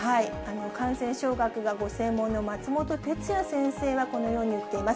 感染症学がご専門の松本哲哉先生は、このように言っています。